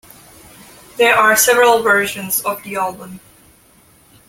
There are several versions of the album.